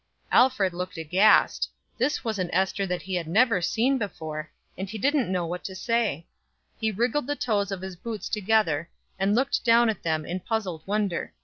Alfred looked aghast. This was an Ester that he had never seen before, and he didn't know what to say. He wriggled the toes of his boots together, and looked down at them in puzzled wonder.